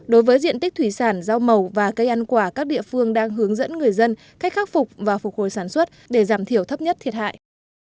đối với diện tích thủy sản rau màu và cây ăn quả các địa phương đang hướng dẫn người dân cách khắc phục và phục hồi sản xuất để giảm thiểu thấp nhất thiệt hại